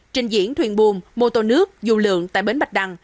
trình diễn thuyền buồm mô tô nước dù lượng tại bến bạch đăng